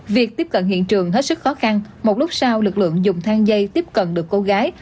việc tiếp cận hiện trường hết sức khó khăn một lúc sau lực lượng dùng thang dây tiếp cận được cô gái